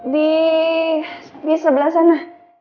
di di sebelah sana